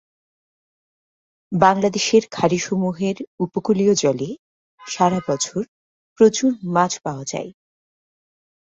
বাংলাদেশের খাড়িসমূহের উপকূলীয় জলে সারা বছর প্রচুর মাছ পাওয়া যায়।